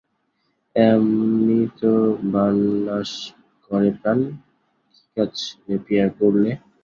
এমনি তো বাণ নাশ করে প্রাণ, কী কাজ লেপিয়া গরলে?